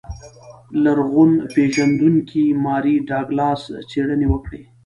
لرغون پېژندونکو ماري ډاګلاس څېړنې وکړې.